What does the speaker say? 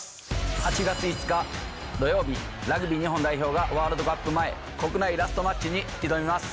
８月５日土曜日ラグビー日本代表がワールドカップ前国内ラストマッチに挑みます。